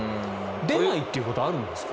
出ないっていうことはあるんですか？